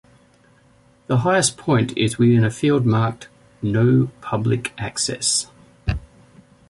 The highest point is within a field marked "No public access".